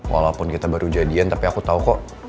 walaupun kita baru jadian tapi aku tahu kok